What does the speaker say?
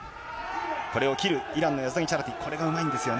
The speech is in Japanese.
これを切る、イランのヤズダニチャラティ、これがうまいんですよね。